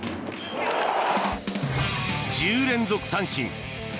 １０連続三振。